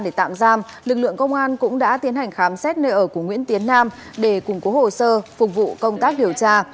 để tạm giam lực lượng công an cũng đã tiến hành khám xét nơi ở của nguyễn tiến nam để củng cố hồ sơ phục vụ công tác điều tra